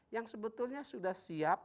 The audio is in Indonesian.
yang sebetulnya sudah siap